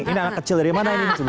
ini anak kecil dari mana ini